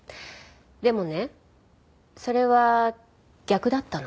でもねそれは逆だったの。